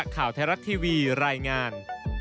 ข่าวไทยรัฐทีวีรายงาน